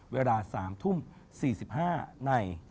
เวลา๓ทุ่ม๔๕ใน